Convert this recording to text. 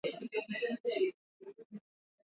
Vitunguu swaumu vilivyo sagwa Ukubwa wa kati mbili